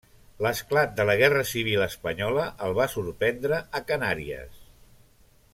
L'esclat de la guerra civil espanyola el va sorprendre a Canàries.